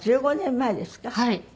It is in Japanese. １５年前ですか？